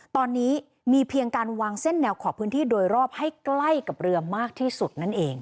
ตอนนี้มีเพียงการวางเส้นแนวขอบพื้นที่โดยรอบให้ใกล้กับเรือมากที่สุดนั่นเอง